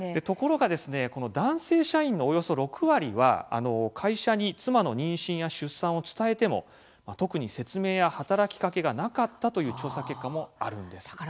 ところが男性社員のおよそ６割は会社に妻の妊娠や出産を伝えても特に説明や働きかけがなかったという調査結果もあるんです。